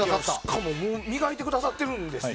もう磨いてくださってるんですよ。